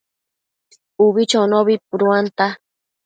Ubi chonobi puduanta